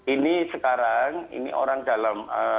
ini sekarang ini orang dalam